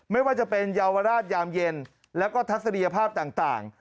ไม่ว่าจะเป็นเยาวราชยามเย็นแล้วก็ทัศนียภาพต่าง